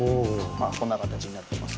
まあこんな形になってます。